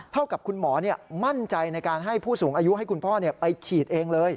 กับคุณหมอมั่นใจในการให้ผู้สูงอายุให้คุณพ่อไปฉีดเองเลย